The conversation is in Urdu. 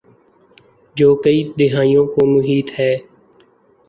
جو کئی دھائیوں کو محیط ہے۔